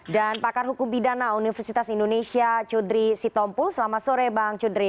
dan pakar hukum bidana universitas indonesia cudri sitompul selamat sore bang cudri